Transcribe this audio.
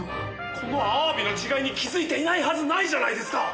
このあわびの違いに気づいていないはずないじゃないですか！